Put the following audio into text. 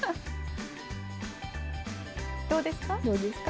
どうですか？